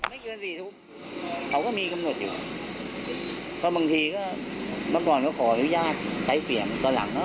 เมื่อนบ้างก็ยืนยันว่ามันเป็นแบบนั้นจริง